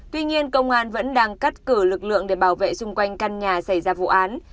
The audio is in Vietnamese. tuy nhiên công an vẫn đang cắt cử lực lượng để bảo vệ xung quanh căn nhà xảy ra vụ án